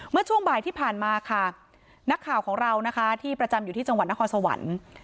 เมื่อช่วงบ่ายที่ผ่านมาค่ะนักข่าวของเรานะคะที่ประจำอยู่ที่จังหวัดนครสวรรค์